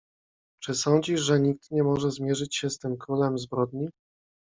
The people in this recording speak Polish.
"Czy sądzisz, że nikt nie może zmierzyć się z tym królem zbrodni?"